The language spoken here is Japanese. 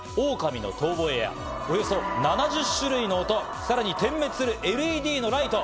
オオカミの遠吠えや、およそ７０種類の音、さらに点滅するＬＥＤのライト。